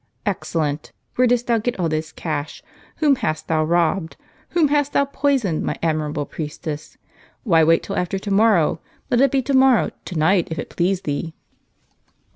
"Excellent! where didst thou get all this cash? Whom hast thou robbed ? whom hast thou poisoned, my admirable priestess ? Why wait till after to morrow ? Let it be to moi row, to night, if it please thee."